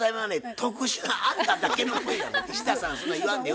特殊なあんただけのもんや。